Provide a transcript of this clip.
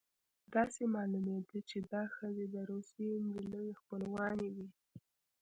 داسې معلومېده چې دا ښځې د روسۍ نجلۍ خپلوانې وې